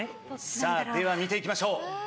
では見ていきましょう。